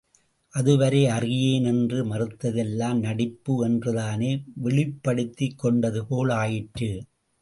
அதுவரை அறியேன் என்று மறுத்ததெல்லாம் நடிப்பு என்று தானே வெளிப்படுத்திக் கொண்டது போல் ஆயிற்று.